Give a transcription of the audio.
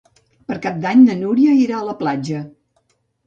Per Cap d'Any na Núria irà a la platja.